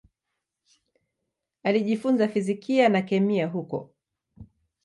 Alijifunza fizikia na kemia huko.